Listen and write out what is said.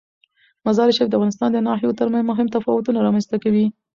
مزارشریف د افغانستان د ناحیو ترمنځ مهم تفاوتونه رامنځ ته کوي.